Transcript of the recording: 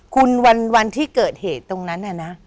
คุณวันที่เกิดเหตุตรงนั้นน่ะนะ